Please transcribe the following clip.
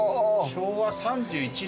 昭和３１年。